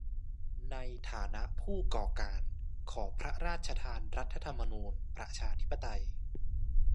ในฐานะผู้ก่อการขอพระราชทานรัฐธรรมนูญประชาธิปไตย